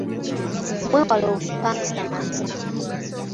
Mwewale obupangisa mazima.